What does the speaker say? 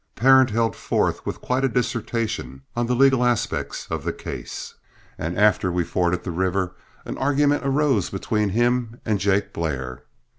Parent held forth with quite a dissertation on the legal aspects of the case, and after we forded the river, an argument arose between him and Jake Blair.